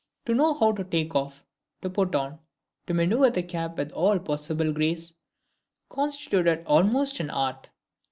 To know how to take off, to put on, to manoeuvre the cap with all possible grace, constituted almost an art.